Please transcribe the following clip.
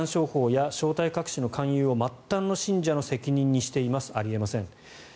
霊感商法や正体隠しの勧誘を末端の信者の責任にしていますあり得ません。